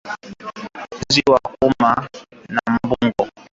nzi wa kuuma na Mbungo